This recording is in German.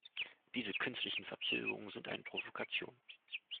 Diese künstlichen Verzögerungen sind eine Provokation.